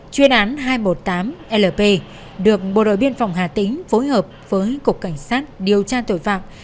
chuyên án hai trăm một mươi tám lp được bộ đội biên phòng hà tĩnh phối hợp với cục cảnh sát điều tra tội phạm